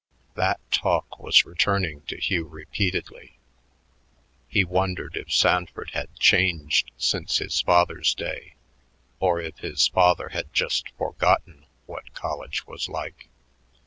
That talk was returning to Hugh repeatedly. He wondered if Sanford had changed since his father's day or if his father had just forgotten what college was like.